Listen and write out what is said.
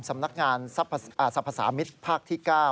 สำนักงานสรรพสามิตรภาคที่๙